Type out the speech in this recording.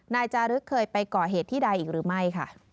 นายจารึกเคยไปก่อเหตุที่ใดอีกหรือไม่ค่ะ